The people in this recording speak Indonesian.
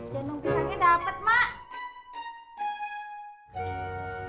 jantung pisangnya dapet mak